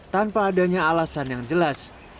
tanpa adanya alasan yang jelas